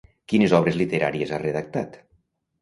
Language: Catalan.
Quines obres literàries ha redactat?